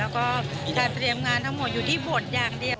ทางนี้ที่พรีเต็มการทั้งหมดอยู่ที่บทอย่างเดียว